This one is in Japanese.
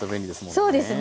そうですね。